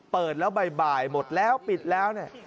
เปิดแล้วบ่ายหมดแล้วปิดแล้วเนี่ย